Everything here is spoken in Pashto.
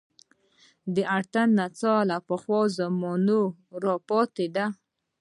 د اتڼ نڅا له پخوا زمانو راپاتې ده